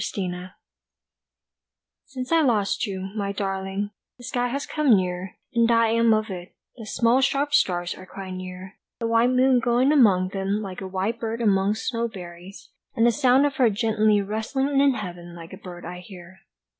ELEGY SINCE I lost you, my darling, the sky has come near, And I am of it, the small sharp stars are quite near, The white moon going among them like a white bird among snow berries, And the sound of her gently rustling in heaven like a bird I hear.